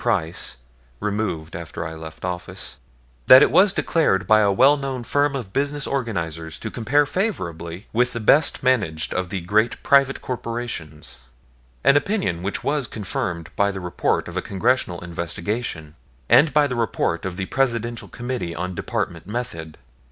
Price (removed after I left office), that it was declared by a well known firm of business organizers to compare favorably with the best managed of the great private corporations, an opinion which was confirmed by the report of a Congressional investigation, and by the report of the Presidential Committee on Department method.